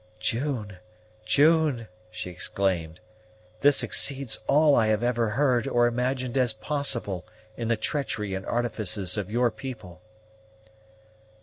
"June! June!" she exclaimed; "this exceeds all I have ever heard, or imagined as possible, in the treachery and artifices of your people."